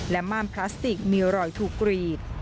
และม่านพลาสติกมีรอยถูกกรีด